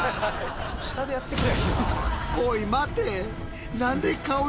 下でやってくれ。